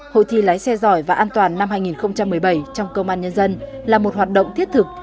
hội thi lái xe giỏi và an toàn năm hai nghìn một mươi bảy trong công an nhân dân là một hoạt động thiết thực